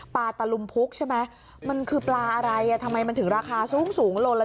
ตะลุมพุกใช่ไหมมันคือปลาอะไรอ่ะทำไมมันถึงราคาสูงโลละ๑